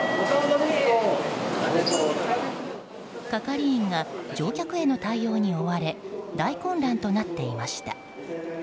係員が乗客への対応に追われ大混乱となっていました。